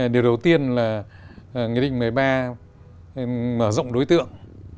điều đầu tiên là nghị định một mươi ba mở rộng đối tượng